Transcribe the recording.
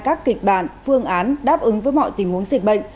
các kịch bản phương án đáp ứng với mọi tình huống dịch bệnh